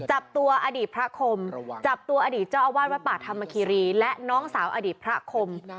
จับตัวอดีตพระคมจับตัวอดีตเจ้าอาวาสวัดป่าธรรมคีรีและน้องสาวอดีตพระคม